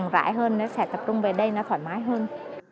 nó sẽ còn rãi hơn nó sẽ tập trung về đây nó thoải mái hơn